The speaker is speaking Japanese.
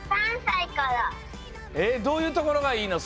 どういうところがいいの？